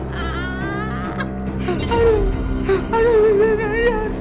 ya udah makannya